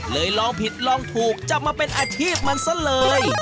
ลองผิดลองถูกจับมาเป็นอาชีพมันซะเลย